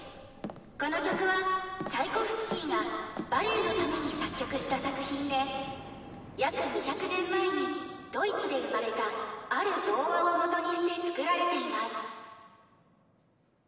この曲はチャイコフスキーがバレエのために作曲した作品で約２００年前にドイツで生まれたある童話をもとにして作られています。